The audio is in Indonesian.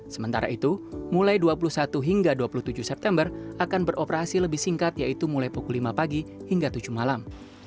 sementara itu mulai dua puluh satu hingga dua puluh tujuh september akan beroperasi lebih singkat yaitu mulai pukul lima pagi hingga tujuh malam